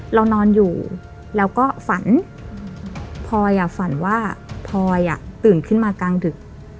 เรานอนอยู่แล้วก็ฝันพลอยฝันว่าพลอยตื่นขึ้นมากลางดึก